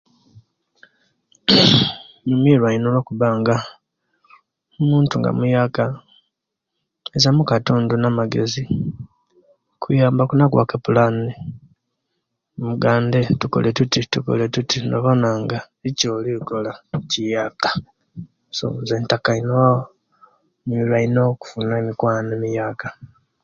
Nyumiruwa ino olwakuba nga mukatundu namagezi akuyamba ku nakuwa ku eplani mugande tukole tuti tukole tuti nobona nga ekyoli kola nga kiyaka so nze ntaka ino abamemba nyumira ino okufuna emikwano emiyaka